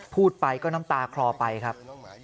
พูดไปก็น้ำตาคลอไปครับ